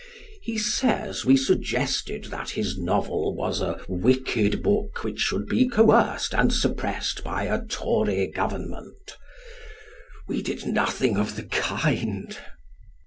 He says we suggested that his novel was a "wicked book which should be coerced and suppressed by a Tory Government." We did nothing of the kind.